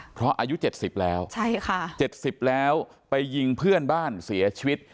เพราะอายุ๗๐แล้ว๗๐แล้วไปยิงเพื่อนบ้านเสียชีวิต